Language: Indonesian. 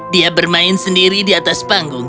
dia bermain sendiri di atas panggung